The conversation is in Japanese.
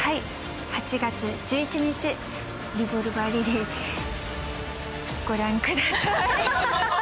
８月１１日、「リボルバー・リリー」ご覧ください。